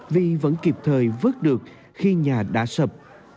vì vẫn kịp thời vớt được khi nhà đã sập